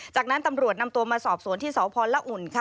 จากนั้นตำรวจนำตัวมาสอบสวนที่สพละอุ่นค่ะ